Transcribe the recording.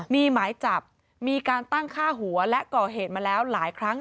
มีหมายจับมีการตั้งฆ่าหัวและก่อเหตุมาแล้วหลายครั้ง